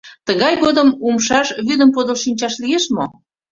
Тыгай годым умшаш вӱдым подыл шинчаш лиеш мо?